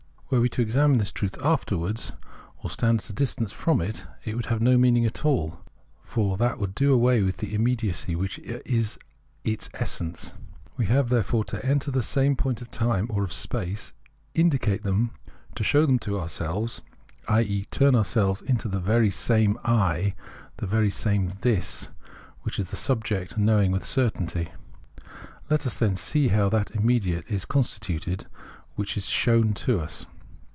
Were we to examine this truth afterwards, or stand at a distance from it, it would have no meaning at all ; for that would do away with the immediacy, which is of its essence. We have therefore to enter the same point of time or of space, indicate them, show them to ourselves, i.e. turn ourselves into the very same I, the very same This, which is the subject knowing with cer tainty. Let us, then, see how that immediate is con stituted, which is shown to us.